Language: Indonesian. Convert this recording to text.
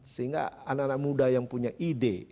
sehingga anak anak muda yang punya ide